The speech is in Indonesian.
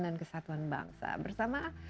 dan kesatuan bangsa bersama